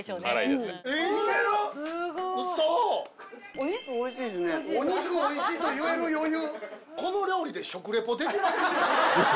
お肉おいしいと言える余裕。